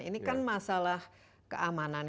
ini kan masalah keamanan